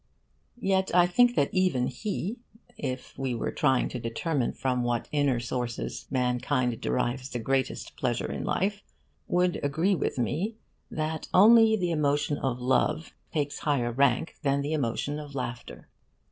Yet I think that even he, if we were trying to determine from what inner sources mankind derives the greatest pleasure in life, would agree with me that only the emotion of love takes higher rank than the emotion of laughter.